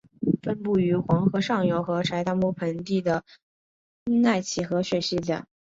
分布于黄河上游和柴达木盆地的奈齐河水系等。